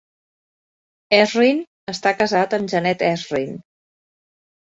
Ezrin està casat amb Janet Ezrin.